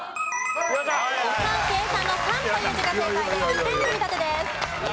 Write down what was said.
誤算計算の「算」という字が正解で２点積み立てです。